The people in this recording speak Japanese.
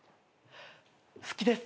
好きです。